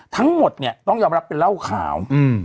ทั้งหมดเนี่ยต้องยอมรับเป็นเหล้าขาว